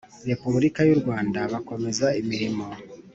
Repubulika y u Rwanda bakomeza imirimo